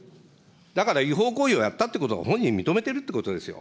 だから違法行為をやったってことを本人、認めてるということですよ。